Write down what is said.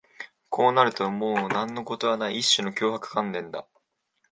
こうなるともう何のことはない、一種の脅迫観念だ